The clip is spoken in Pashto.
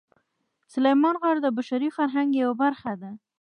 سلیمان غر د بشري فرهنګ یوه برخه ده.